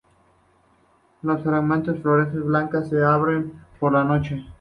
Las fragantes flores blancas se abren por la noche.